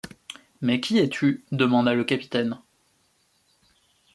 Mais qui es-tu ? demanda le capitaine.